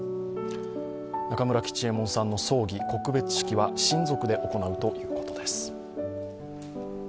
中村吉右衛門さんの葬儀・告別式は親族で行うということです。